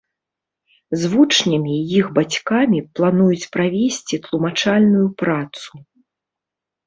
З вучнямі і іх бацькамі плануюць правесці тлумачальную працу.